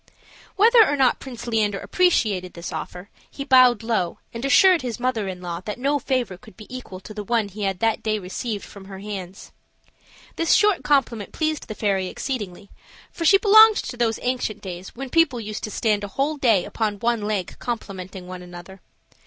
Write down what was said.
Whether or not Prince Leander appreciated this offer, he bowed low, and assured his mother in law that no favor could be equal to the one he had that day received from her hands. This short compliment pleased the fairy exceedingly, for she belonged to those ancient days when people used to stand a whole day upon one leg complimenting one another.